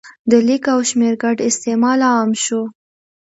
د لیک او شمېر ګډ استعمال عام شو.